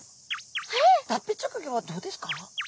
脱皮直後はどうですか？